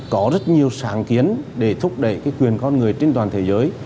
có rất nhiều sáng kiến để thúc đẩy quyền con người trên toàn thế giới